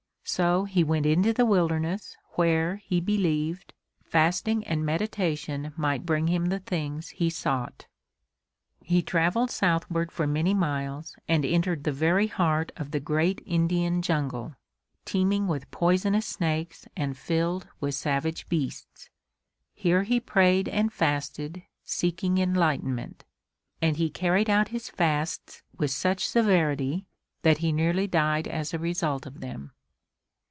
So he went into the wilderness, where, he believed, fasting and meditation might bring him the things he sought. He traveled southward for many miles and entered the very heart of the great Indian jungle, teeming with poisonous snakes and filled with savage beasts. Here he prayed and fasted, seeking enlightenment; and he carried out his fasts with such severity that he nearly died as a result of them.